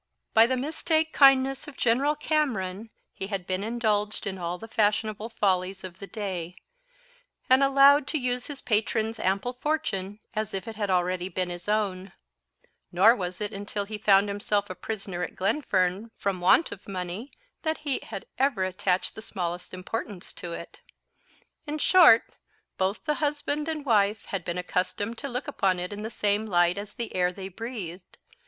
By the mistake kindness of General Cameron he had been indulged in all the fashionable follies of the day, and allowed to use his patron's ample fortune as if it had already been his own; nor was it until he found himself a prisoner at Glenfern from want of money that he had ever attached the smallest importance to it. In short, both the husband and wife had been accustomed to look upon it in the same light as the air they breathed.